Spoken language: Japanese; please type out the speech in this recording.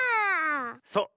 そう。